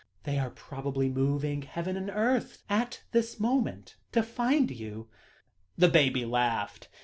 They are probably moving heaven and earth at this moment to find you." The baby laughed.